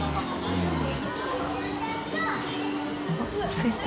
着いた？